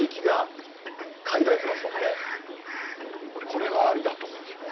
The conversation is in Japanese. これはありだと思うんですよね。